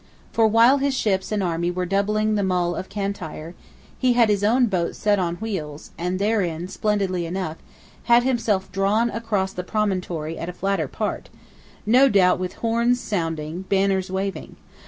For "while his ships and army were doubling the Mull of Cantire, he had his own boat set on wheels, and therein, splendidly enough, had himself drawn across the Promontory at a flatter part," no doubt with horns sounding, banners waving.